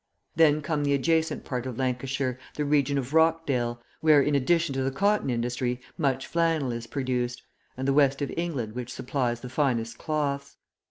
Then come the adjacent part of Lancashire, the region of Rochdale, where in addition to the cotton industry much flannel is produced, and the West of England which supplies the finest cloths.